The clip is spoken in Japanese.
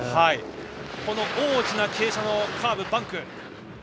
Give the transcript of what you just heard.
大きな傾斜のカーブ、バンク。